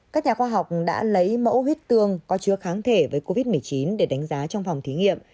các nhà khoa học đã lấy mẫu huyết tương có chứa kháng thể với covid một mươi chín để đánh giá trong phòng thí nghiệm